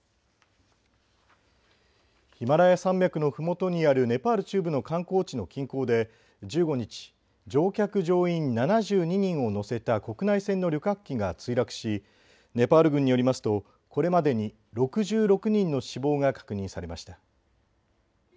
ヒマラヤ山脈のふもとにあるネパール中部の観光地の近郊で１５日、乗客乗員７２人を乗せた国内への旅客機が墜落しネパール軍によりますとこれまでに６６人の死亡が確認されました。